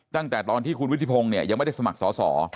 ตั้งแต่ตอนที่คุณวุฒิพงศ์เนี่ยยังไม่ได้สมัครสอสอ